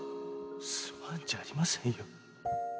「すまん」じゃありませんよ。